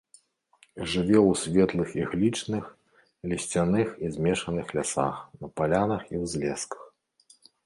Жыве ў светлых іглічных, лісцяных і змешаных лясах на палянах і ўзлесках.